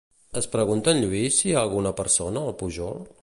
Es pregunta en Lluís si hi ha alguna persona al pujol?